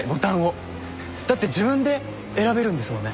だって自分で選べるんですもんね。